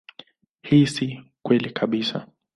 Hii si kweli kabisa.